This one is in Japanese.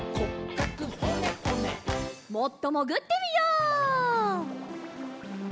もっともぐってみよう。